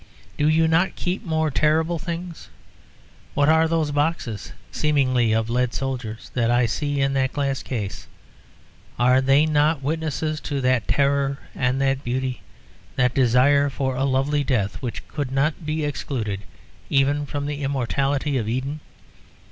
Do you not keep more terrible things? What are those boxes, seemingly of lead soldiers, that I see in that glass case? Are they not witnesses to that terror and beauty, that desire for a lovely death, which could not be excluded even from the immortality of Eden?